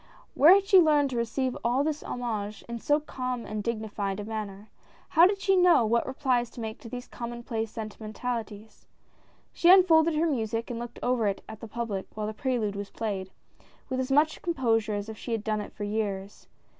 Where had she learned to receive all this homage in so calm and dignified a manner ? How did she know what replies to make to these commonplace sentimen talities. She unfolded her music and looked over it at the public while the prelude was played, with as much composure as if she had done it for years.